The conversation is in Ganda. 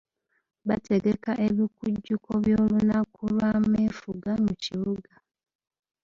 Baategeka ebikujjuko by'olunaku lw'ameefuga mu kibuga.